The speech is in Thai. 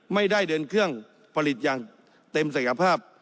ไม่ได้เดินเครื่องผลิตอย่างเต็มศักยภาพ